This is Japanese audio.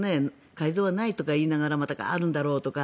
改造はないとか言いながらまた、あるんだろうとか。